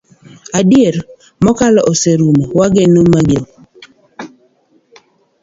Adier, mokalo oserumo, wagen mabiro.